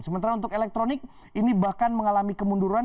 sementara untuk elektronik ini bahkan mengalami kemunduran